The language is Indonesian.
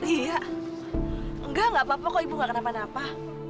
iya enggak enggak apa apa kok ibu gak kenapa napa